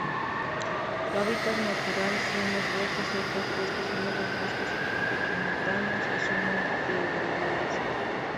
Su hábitat natural son los bosques secos, bosques húmedos, bosques montanos y zonas degradadas.